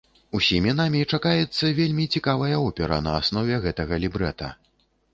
Усімі намі чакаецца вельмі цікавая опера на аснове гэтага лібрэта.